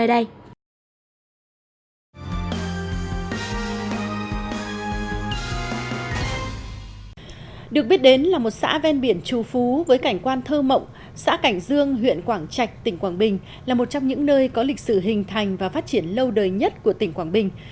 được biết đến là một xã ven biển trù phú với cảnh quan thơ mộng xã cảnh dương huyện quảng trạch tỉnh quảng bình là một trong những nơi có lịch sử hình thành và phát triển lâu đời nhất của tỉnh quảng bình